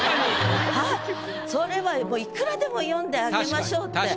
それはいくらでも詠んであげましょうって。